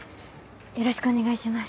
よろしくお願いします